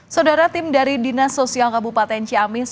saudara tim dari dinas sosial kabupaten ciamis